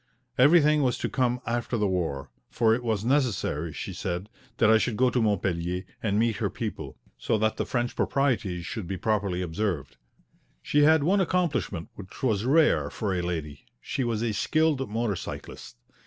Everything was to come after the war, for it was necessary, she said, that I should go to Montpellier and meet her people, so that the French proprieties should be properly observed. She had one accomplishment which was rare for a lady; she was a skilled motor cyclist.